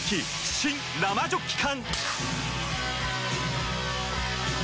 新・生ジョッキ缶！